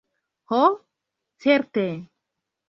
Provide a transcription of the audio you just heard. Ho, certe!